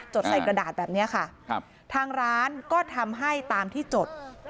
ดใส่กระดาษแบบนี้ค่ะครับทางร้านก็ทำให้ตามที่จด